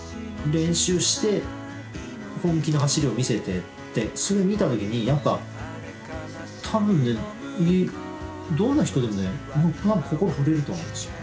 練習して本気の走りを見せてそれ見た時にやっぱ多分ねどんな人でもね心震えると思うんですよ。